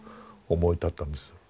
思い立ったんです。